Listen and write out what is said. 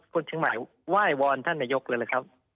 คนเชียงใหม่ไหว้วอนท่านนายกเลยนะครับ